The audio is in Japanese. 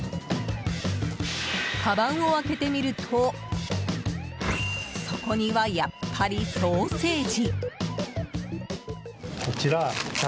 かばんを開けてみるとそこにはやっぱり、ソーセージ。